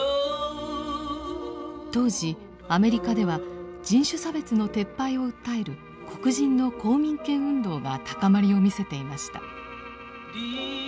当時アメリカでは人種差別の撤廃を訴える黒人の公民権運動が高まりを見せていました。